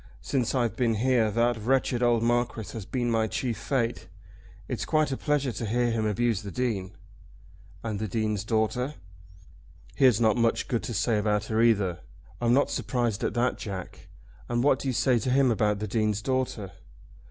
Since I've been here that wretched old Marquis has been my chief fate. It's quite a pleasure to hear him abuse the Dean." "And the Dean's daughter?" "He has not much good to say about her either." "I'm not surprised at that, Jack. And what do you say to him about the Dean's daughter?"